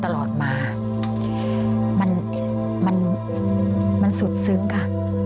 ตลอดมามันสุดซึ้งค่ะ